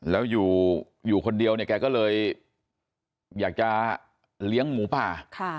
แล้วอยู่คนเดียวเนี่ยแกก็เลยอยากจะเลี้ยงหมูป่า